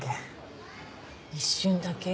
一瞬だけ。